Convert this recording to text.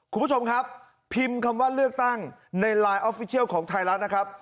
คุณผู้ชมครับพิมพ์คำว่าเลือกตั้งในไลน์ออฟฟิเชียลของไทยรัฐนะครับ